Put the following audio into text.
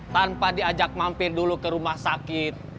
tanpa diajak mampir dulu ke rumah sakit